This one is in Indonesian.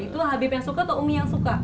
itu habib yang suka atau umi yang suka